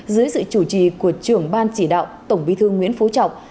dưới sự chủ trì của trưởng ban chỉ đạo tổng bí thư nguyễn phú trọng